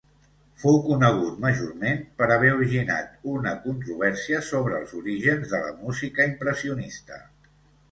Fou conegut majorment per haver originat una controvèrsia sobre els orígens de la música impressionista.